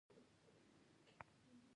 درې قدمه لاندې توره لاره تللې ده.